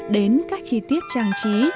đến các chi tiết trang trí